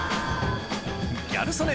ギャル曽根